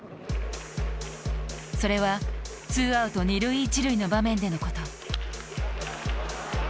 それはツーアウト２塁１塁の場面でのこと。